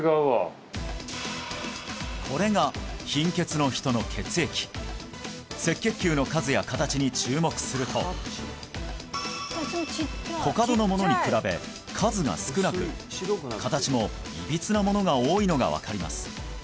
これが赤血球の数や形に注目するとコカドのものに比べ数が少なく形もいびつなものが多いのが分かります